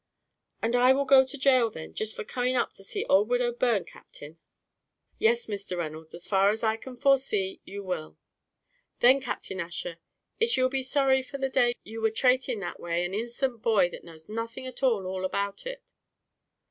"And will I go to gaol then, jist for coming up to see ould widow Byrne, Captain?" "Yes, Mr. Reynolds, as far as I can foresee, you will." "Then, Captain Ussher, it's you'll be sorry for the day you were trating that way an innocent boy that knows nothing at all at all about it."